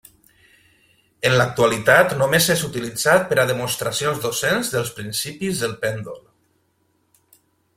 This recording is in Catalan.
En l'actualitat només és utilitzat per a demostracions docents dels principis del pèndol.